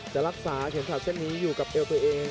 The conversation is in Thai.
จะรักษาเข็มขัดเส้นนี้อยู่กับเอวตัวเอง